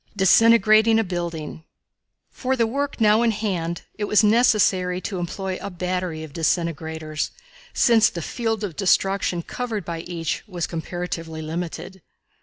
Disintegrating a Building. For the work now in hand it was necessary to employ a battery of disintegrators, since the field of destruction covered by each was comparatively limited.